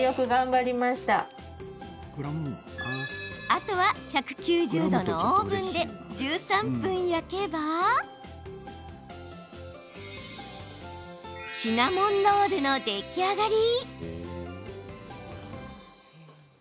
あとは１９０度のオーブンで１３分焼けばシナモンロールの出来上がり。